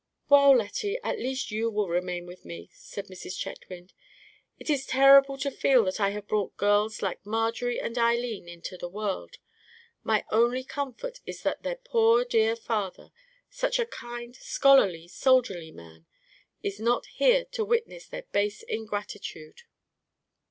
"Well, Lettie, you at least will remain with me," said Mrs. Chetwynd. "It is terrible to feel that I have brought girls like Marjorie and Eileen into the world. My only comfort is that their poor dear father—such a kind, scholarly, soldierly man—is not here to witness their base ingratitude."